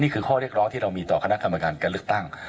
ข้อเรียกร้องที่เรามีต่อคณะกรรมการการเลือกตั้ง